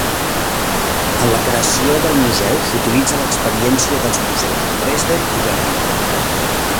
En la creació del museu s'utilitzà l'experiència dels museus de Dresden i Berlín.